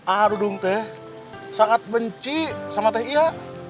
a'a dudung teh sangat benci sama teh iya